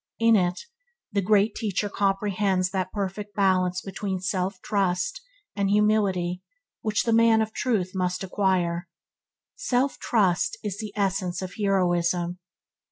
In it, the Great Teacher comprehends that perfect balance between self trust and humility which the man of truth must acquire. "Self – trust is the essence of heroism".